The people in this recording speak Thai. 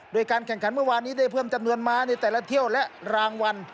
โดยการแข่งขันเมื่อวานนี้ได้เพิ่มจำนวนม้าในแต่ละเที่ยวและรางวัล